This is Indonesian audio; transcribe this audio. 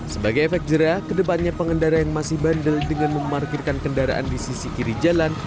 sebagai efek jerah kedepannya pengendara yang masih bandel dengan memarkirkan kendaraan di sisi kiri jalan